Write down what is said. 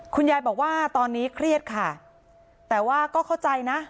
คุณยายบอกว่าตอนนี้เครียดค่ะแต่ว่าก็เข้าใจนะ